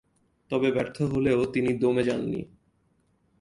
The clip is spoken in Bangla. তবে ব্যর্থ হলেও তিনি দমে যাননি।